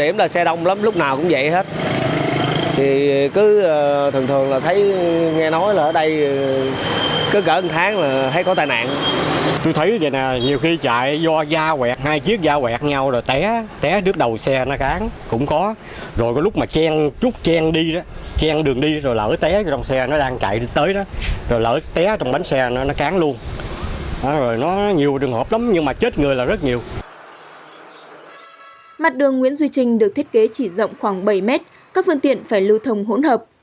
mặt đường nguyễn duy trinh được thiết kế chỉ rộng khoảng bảy mét các phương tiện phải lưu thông hỗn hợp